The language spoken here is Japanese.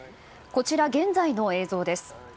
こちら現在の映像です。